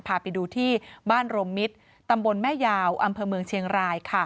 พาไปดูที่บ้านรวมมิตรตำบลแม่ยาวอำเภอเมืองเชียงราย